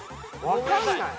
わかんない。